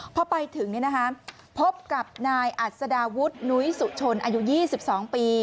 พอไปถึงพบกับนายอัศดาวุฒินุ้ยสุชนอายุ๒๒ปี